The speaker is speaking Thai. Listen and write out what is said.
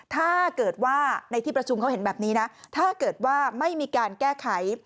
ถ้าเกิดว่าในที่ประชุมเขาเห็นแบบนี้นะถ้าเกิดว่าไม่มีการแก้ไข